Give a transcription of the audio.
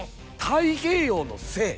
太平洋の精！？